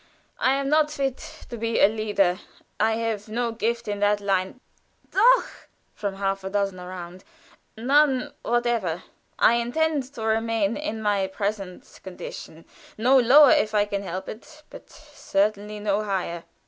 I am not fit to be a leader. I have no gift in that line " [Footnote C: Helfen to help.] "Doch!" from half a dozen around. "None whatever. I intend to remain in my present condition no lower if I can help it, but certainly no higher.